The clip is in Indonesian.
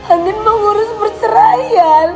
andin mau urus berseraian